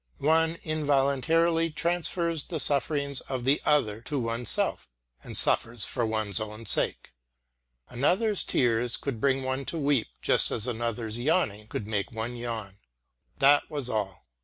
One involuntarily transfers the sufferings of the other to oneself and suffers for one's own sake. Another's tears could bring one to weep just as another's yawning could make one yawn. That was all.